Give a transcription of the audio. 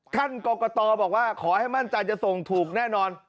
ท่านกรกตบอกว่าขอให้มั่นใจจะส่งถูกแน่นอน